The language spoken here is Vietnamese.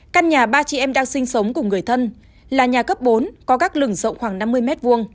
căn nhà ba chị em đang sinh sống cùng người thân là nhà cấp bốn có các lừng rộng khoảng năm mươi m hai